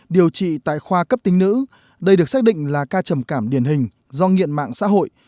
điều trị tại khoa cấp tính nữ đây được xác định là ca trầm cảm điển hình do nghiện mạng xã hội